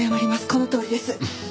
このとおりです！